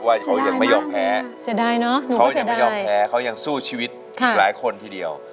ว่าเขายังไม่ยอมแพ้เขายังไม่ยอมแพ้เขายังสู้ชีวิตหลายคนทีเดียว